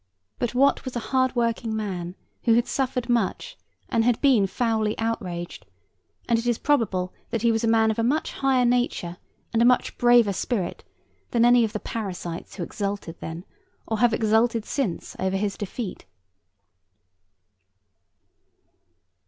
But Wat was a hard working man, who had suffered much, and had been foully outraged; and it is probable that he was a man of a much higher nature and a much braver spirit than any of the parasites who exulted then, or have exulted since, over his defeat.